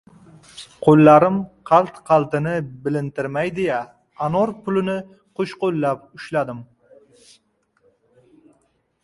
Qo‘llarim qalt-qaltini bilintirmayin deya, anor pulini qo‘shqo‘llab ushladim.